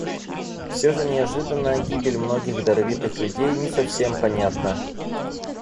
Все же неожиданная гибель многих даровитых людей не совсем понятна.